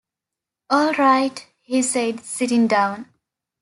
“All right,” he said, sitting down.